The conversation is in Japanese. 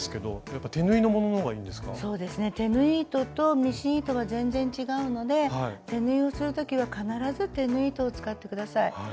手縫い糸とミシン糸は全然違うので手縫いをする時は必ず手縫い糸を使って下さい。